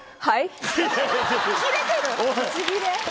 「はい？」。